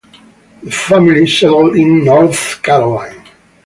The family settled in North Carolina.